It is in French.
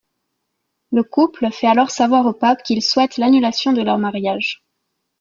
Le couple fait alors savoir au pape qu'ils souhaitent l'annulation de leur mariage.